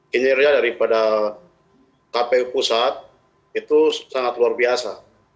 kinerja daripada kpu pusat itu sangat luar biasa